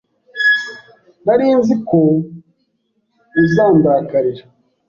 Nari nzi ko uzandakarira.